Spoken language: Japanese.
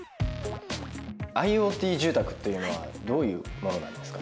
ＩｏＴ住宅っていうのはどういうものなんですか？